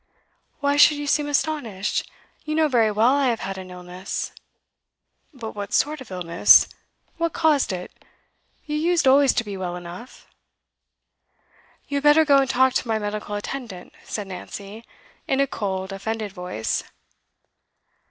'Why should you seem astonished? You know very well I have had an illness.' 'But what sort of illness? What caused it? You used always to be well enough.' 'You had better go and talk to my medical attendant,' said Nancy, in a cold, offended voice.